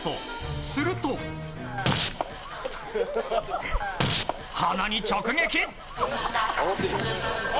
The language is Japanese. すると、鼻に直撃。